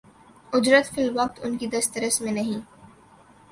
اجرت فی الوقت ان کی دسترس میں نہیں